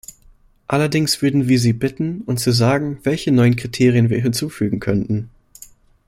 Allerdings würden wir Sie bitten, uns zu sagen, welche neuen Kriterien wir hinzufügen könnten.